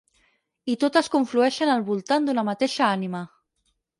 I totes conflueixen al voltant d'una mateixa ànima.